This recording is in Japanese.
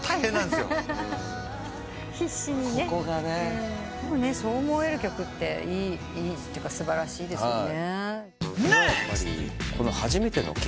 でもそう思える曲っていいというか素晴らしいですよね。